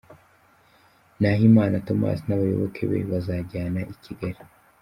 Nahimana Tomas n’abayoboke be bazajyana i Kigali